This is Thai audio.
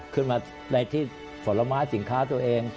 ขึ้นมาในที่ผลไม้สินค้าตัวเอง